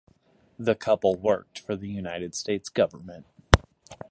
The couple worked for the United States Government.